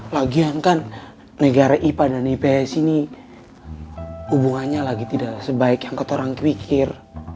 lagian kan negara ipa dan ips ini hubungannya lagi tidak sebaik angkut orang pikir